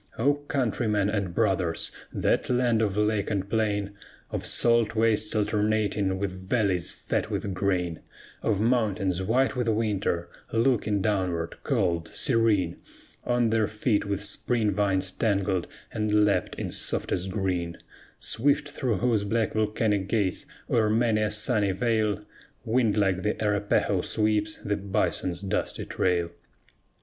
O countrymen and brothers! that land of lake and plain, Of salt wastes alternating with valleys fat with grain; Of mountains white with winter, looking downward, cold, serene, On their feet with spring vines tangled and lapped in softest green; Swift through whose black volcanic gates, o'er many a sunny vale, Wind like the Arapahoe sweeps the bison's dusty trail!